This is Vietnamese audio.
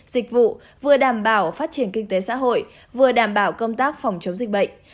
dịch vụ vừa đảm bảo phát triển kinh tế xã hội vừa đảm bảo công tác phòng chống dịch bệnh